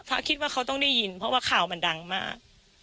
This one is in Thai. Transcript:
คิดว่าเขาต้องได้ยินเพราะว่าข่าวมันดังมาก